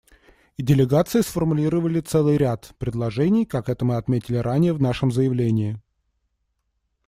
И делегации сформулировали целый ряд предложений, как это мы отметили ранее в нашем заявлении.